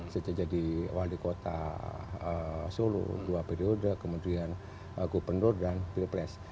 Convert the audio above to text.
sejak jadi wali kota solo dua periode kemudian gubernur dan pilpres